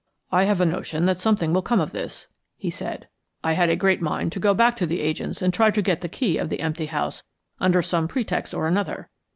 "I have a notion that something will come of this," he said. "I had a great mind to go back to the agent's and try to get the key of the empty house under some pretext or another."